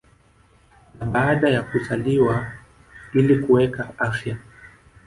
na baada ya kuzaliwa ili kuweka afya